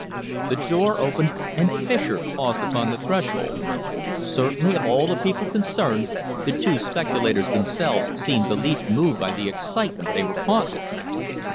The door opened, and Fischer paused upon the threshold. Certainly, of all the people concerned, the two speculators themselves seemed the least moved by the excitement they were causing.